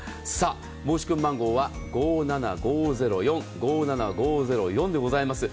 申し込み番号は５７５０４５７５０４でございます。